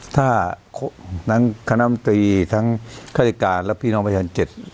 ถ้าทั้งคณะอมตรีทั้งข้าวจักรการและพี่น้องบาชัน